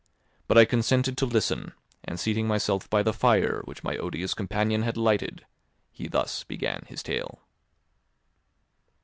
But I consented to listen, and seating myself by the fire which my odious companion had lighted, he thus began his tale.